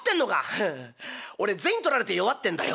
フフフ俺銭取られて弱ってんだよ」。